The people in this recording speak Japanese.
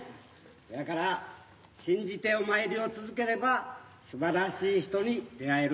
せやから信じてお参りを続ければすばらしい人に出会える。